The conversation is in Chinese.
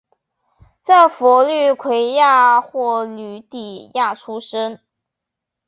在佛律癸亚或吕底亚出生。